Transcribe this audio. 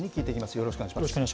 よろしくお願いします。